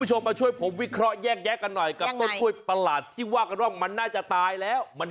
กลุ่มไปช่วยผมวิเคราะห์แยกกันหน่อยกับส้วยประหลาดที่ว่ากันว่ามันน่าจะตายแล้วมัน